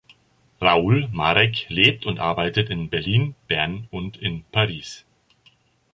Raoul Marek lebt und arbeitet in Berlin, Bern und in Paris.